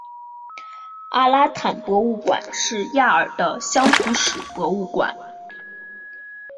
阿拉坦博物馆是亚尔的乡土史博物馆。